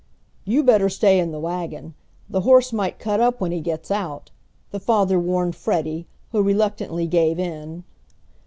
"You better stay in the wagon; the horse might cut up when he gets out," the father warned Freddie, who reluctantly gave in.